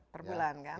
per bulan kan